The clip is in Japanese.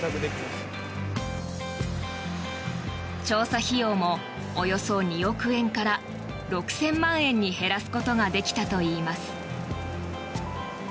調査費用もおよそ２億円から６０００万円に減らすことができたといいます。